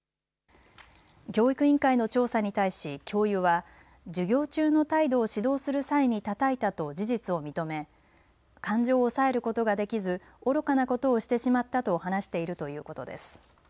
教育委員会の調査に対し教諭は授業中の態度を指導する際にたたいたと事実を認め感情を抑えることができず愚かなことをしてしまったと話しているということです。